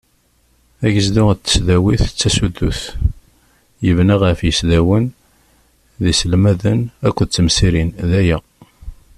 Agezdu n tesdawit d tasudut, yebna ɣef yisdawen d yiselmaden akked temsirin daya.